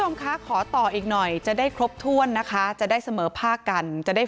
ทั้งครูก็มีค่าแรงรวมกันเดือนละประมาณ๗๐๐๐กว่าบาท